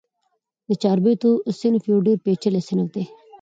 د چاربیتو صنف یو ډېر پېچلی صنف دئ.